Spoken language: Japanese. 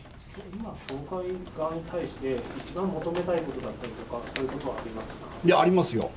今、教会側に対して、一番求めたいことだったりとか、そういありますよ。